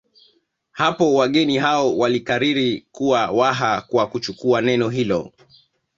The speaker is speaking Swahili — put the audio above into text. Hapo wageni hao walikariri kuwa Waha kwa kuchukua neno hilo